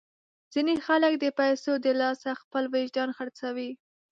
ځینې خلک د پیسو د لاسه خپل وجدان خرڅوي.